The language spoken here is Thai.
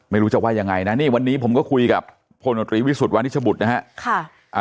ไม่รู้จะว่ายังไงนะนี่วันนี้ผมก็คุยกับพลโนตรีวิสุทธิวานิชบุตรนะฮะ